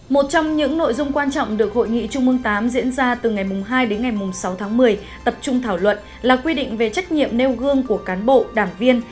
một trong những nội dung quan trọng được hội nghị trung mương viii diễn ra từ ngày hai đến ngày sáu tháng một mươi tập trung thảo luận là quy định về trách nhiệm nêu gương của cán bộ đảng viên